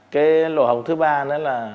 cái lộ hống thứ ba đó là